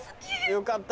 よかったな。